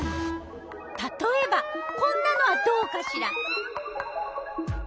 たとえばこんなのはどうかしら？